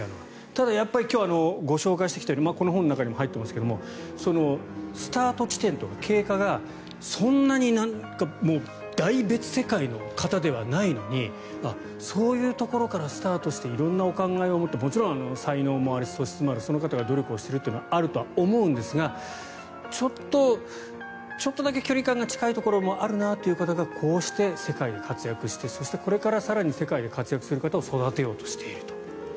ただ、やっぱり今日ご紹介してきたようにこの本の中にも書いてありますがスタート地点と経過がそんなに大別世界の方ではないのにそういうところからスタートして色んなお考えを持ってもちろん才能もあるし素質もある、その方が努力をしているというのはあるとは思うんですがちょっとだけ距離感が近いというところがある方がこうして世界で活躍してそして、これから更に世界で活躍する方を育てようとしていると。